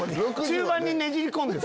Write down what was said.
中盤にねじり込んでる。